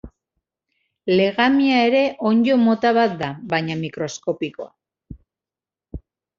Legamia ere, onddo mota bat da, baina mikroskopikoa.